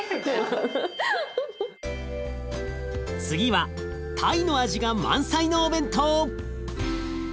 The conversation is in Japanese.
次はタイの味が満載のお弁当。